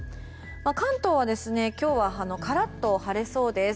関東は今日はカラッと晴れそうです。